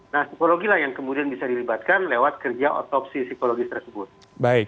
nah psikologi lah yang kemudian bisa dilibatkan lewat kerja otopsi psikologis tersebut